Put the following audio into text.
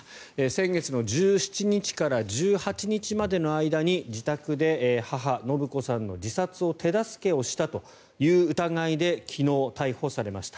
先月の１７日から１８日までの間に自宅で母・延子さんの自殺を手助けしたという疑いで昨日、逮捕されました。